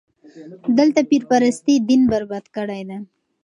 دلته پير پرستي دين برباد کړی دی.